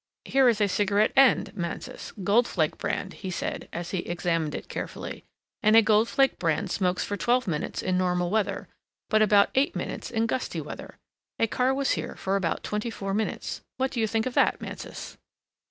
Here is a cigarette end, Mansus, Gold Flake brand," he said, as he examined it carefully, "and a Gold Flake brand smokes for twelve minutes in normal weather, but about eight minutes in gusty weather. A car was here for about twenty four minutes what do you think of that, Mansus?"